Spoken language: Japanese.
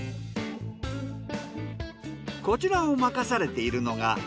こちらを任されているのが。